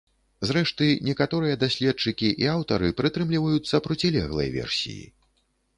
Зрэшты, некаторыя даследчыкі і аўтары прытрымліваюцца процілеглай версіі.